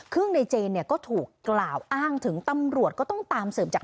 ซึ่งในเจนเนี่ยก็ถูกกล่าวอ้างถึงตำรวจก็ต้องตามสืบจาก